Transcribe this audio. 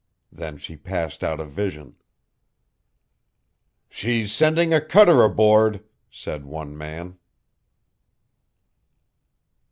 Then she passed out of vision. "She's sending a cutter aboard," said one man.